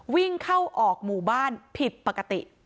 วิ่งเข้าออกหมู่บ้านผิดปกติ